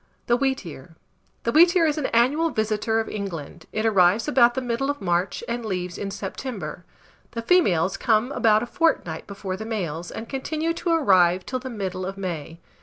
THE WHEATEAR. The wheatear is an annual visitor of England: it arrives about the middle of March and leaves in September. The females come about a fortnight before the males, and continue to arrive till the middle of May.